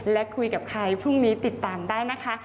และคุยกับใครพรุ่งนี้ติดตามได้นะคะ